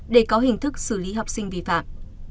để có hình thức xử lý học sinh vi phạm